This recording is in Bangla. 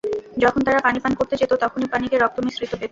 যখন তারা পানি পান করতে যেত তখনই পানিকে রক্ত মিশ্রিত পেত।